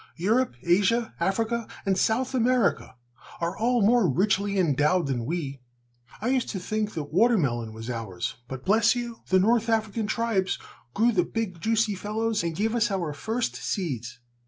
"Europe, Asia, Africa and South America are all more richly endowed than we. I used to think the watermelon was ours, but, bless you! the north African tribes grew the big, juicy fellows and gave us our first seeds.